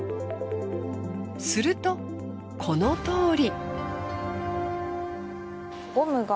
するとこのとおり。